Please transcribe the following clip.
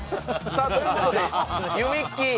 ということで、ゆみっきー